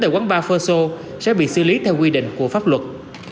tại quán bar fosso sẽ bị xử lý theo quy định của pháp luật